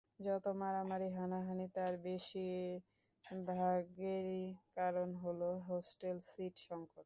যত মারামারি হানাহানি তার বেশির ভাগেরই কারণ হলে হোস্টেলে সিট সংকট।